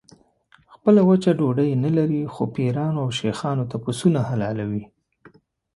خپله وچه ډوډۍ نه لري خو پیرانو او شیخانو ته پسونه حلالوي.